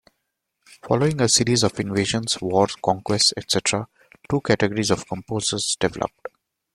Following a series of invasions, wars, conquests, etc., two categories of composers developed.